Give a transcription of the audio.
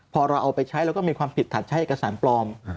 พอเราเอาไปใช้แล้วก็มีความผิดฐานใช้เอกสารปลอม